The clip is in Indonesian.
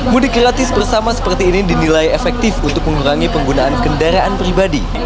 mudik gratis bersama seperti ini dinilai efektif untuk mengurangi penggunaan kendaraan pribadi